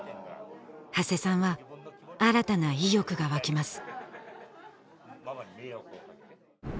長谷さんは新たな意欲が湧きます